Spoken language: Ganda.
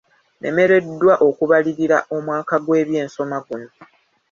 Nemereddwa okubalirira omwaka gw'ebyensoma guno.